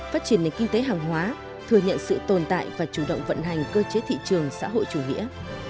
phát triển nền kinh tế hàng hóa thừa nhận sự tồn tại và chủ động vận hành cơ chế thị trường xã hội chủ nghĩa